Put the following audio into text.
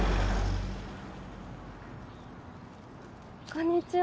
こんにちは。